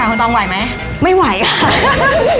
คุณตองไหวไหมไม่ไหวค่ะ